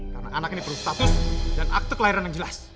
karena anak ini perlu status dan aktu kelahiran yang jelas